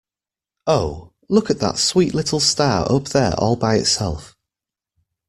Oh, look at that sweet little star up there all by itself.